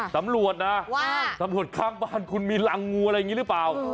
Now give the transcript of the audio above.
ตำรวจนะว่าสำรวจข้างบ้านคุณมีรังงูอะไรอย่างนี้หรือเปล่า